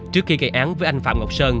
trước khi gây án với anh phạm ngọc sơn